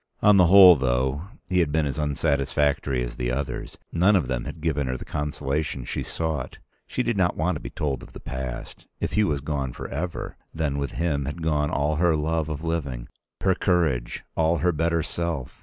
On the whole, though, he had been as unsatisfactory as the others. None of them had given her the consolation she sought. She did not want to be told of the past. If Hugh was gone forever, then with him had gone all her love of living, her courage, all her better self.